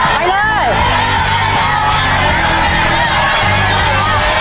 ไปไปไป